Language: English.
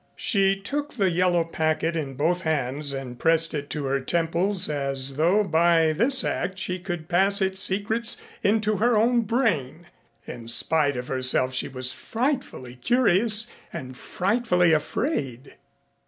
She took the yellow packet in both hands and pressed it to her temples as though by this act she could pass its secrets into her own brain. In spite of herself she was frightfully curious and frightfully afraid.